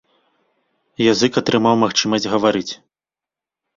Язык атрымаў магчымасць гаварыць.